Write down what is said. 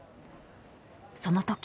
そのとき］